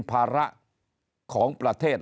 ภาระของประเทศ